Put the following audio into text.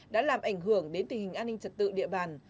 đã làm ảnh hưởng đến tình hình an ninh trật tự địa bàn